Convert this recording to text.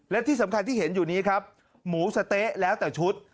และที่สำคัญที่เห็นอยู่นี้ครับหมูสะเต๊ะแล้วแต่ชุด